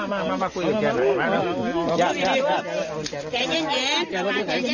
บ้านโว้ยก็ยังมีชาวคนครับ